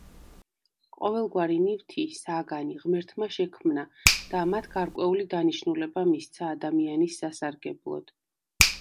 ყოველგვარი ნივთი, საგანი ღმერთმა შექმნა და მათ გარკვეული დანიშნულება მისცა ადამიანის სასარგებლოდ.